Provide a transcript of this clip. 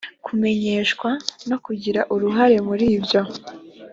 kumenyeshwa no kugira uruhare muri byo